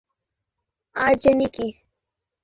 আমি, Red FM থেকে RJ নিকি।